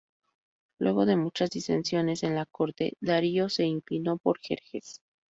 Luego de muchas disensiones en la corte, Darío se inclinó por Jerjes.